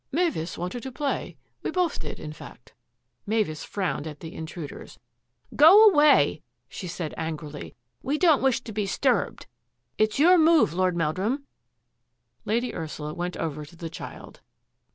" Mavis wanted to play. We both did, in fact.*' Mavis frowned at the intruders. " Go away !*' she said angrily. " We don't wish to be 'sturbed. It's your move, Lord Meldrum." Lady Ursula went over to the child.